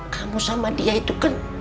kamu sama dia itu kan